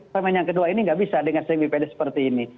termen yang kedua ini nggak bisa dengan semiped seperti ini